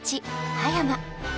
葉山